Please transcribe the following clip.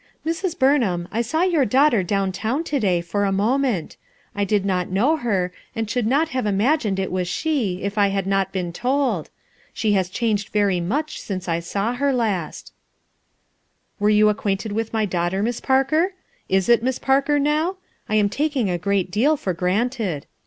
"Mrs, Burnham, I saw your daughter down town to day, for a moment. I did not know her, and should not have imagined it was she, if I had not been told, 8hc has changed very much since I fiaw her hut." 19S RUTH ERSKINE'S SOX "Were you acquainted with my daughter, Miss Parker? Is it Miss Parker, now? I am taking a great deal for granted."